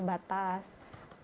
membuat gerakan kita terbatas